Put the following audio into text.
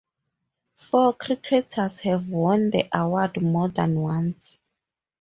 Four cricketers have won the award more than once.